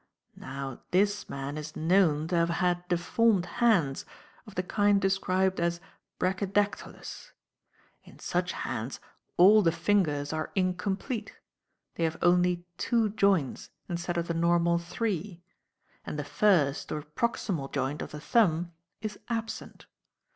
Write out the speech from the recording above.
Now this man is known to have had deformed hands, of the kind described as brachydactylous. In such hands all the fingers are incomplete they have only two joints instead of the normal three and the first, or proximal joint of the thumb is absent.